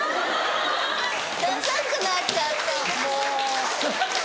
ダサくなっちゃった。